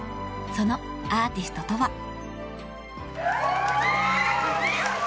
［そのアーティストとは？］